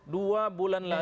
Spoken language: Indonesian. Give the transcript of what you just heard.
dua bulan lalu